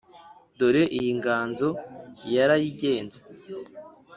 dore iyi nganzo yarayigenze